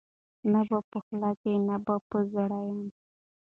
نه به په خولو کي نه به په زړه یم